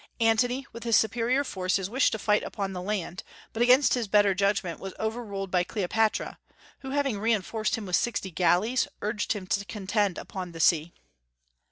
Antony with his superior forces wished to fight upon the land, but against his better judgment was overruled by Cleopatra, who, having reinforced him with sixty galleys, urged him to contend upon the sea.